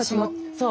そう。